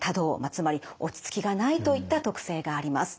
つまり落ち着きがないといった特性があります。